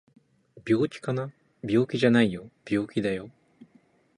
病気かな？病気じゃないよ病気だよ